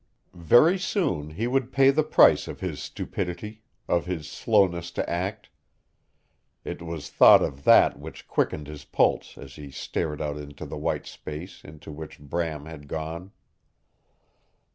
Very soon he would pay the price of his stupidity of his slowness to act. It was thought of that which quickened his pulse as he stared out into the white space into which Bram had gone.